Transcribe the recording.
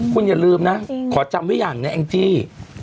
คุณอย่าลืมนะขอจำไว้อย่างนะแองจี้